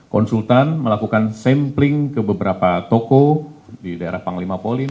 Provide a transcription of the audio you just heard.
konsultan melakukan sampling ke beberapa toko di daerah panglima polin